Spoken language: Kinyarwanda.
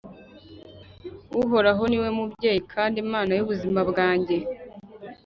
Uhoraho niwe mubyeyi kandi Mana y’ubuzima bwanjye,